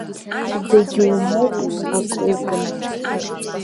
Зегь умоуп, ак угым!